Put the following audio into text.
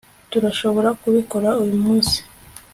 Turashobora kubikora uyu munsi